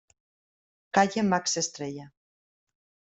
Calle Max Estrella.